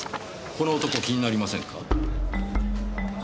この男気になりませんか？